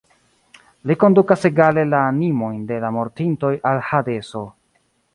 Li kondukas egale la animojn de la mortintoj al Hadeso.